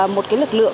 một cái lực lượng